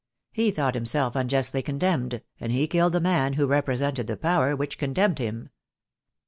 He thought himself unjustly condemned, and he killed the man who represented the Power which condemned him.